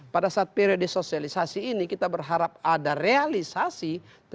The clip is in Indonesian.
pada saat periode sosialisasi ini kita berharap ada realisasi